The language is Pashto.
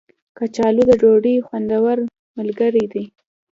کچالو د ډوډۍ خوندور ملګری دی